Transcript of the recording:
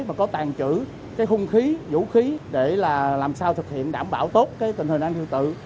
và có tàn trữ khung khí vũ khí để làm sao thực hiện đảm bảo tốt tình hình an thiệu tự